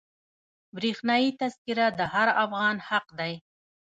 برښنایي تذکره د هر افغان حق دی.